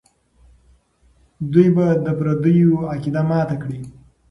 دوی به د پردیو عقیده ماته کړي.